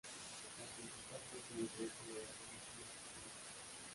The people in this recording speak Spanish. La principal fuente de ingreso de la población es el turismo.